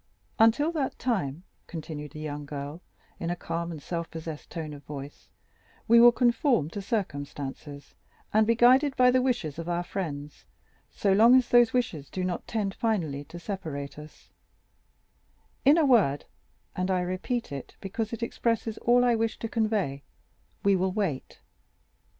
"Until that time," continued the young girl in a calm and self possessed tone of voice, "we will conform to circumstances, and be guided by the wishes of our friends, so long as those wishes do not tend finally to separate us; in a word, and I repeat it, because it expresses all I wish to convey,—we will wait."